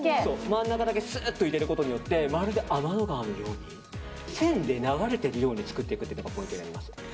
真ん中だけすっと入れることによってまるで天の川のように線で流れているように作っていくことがポイントになります。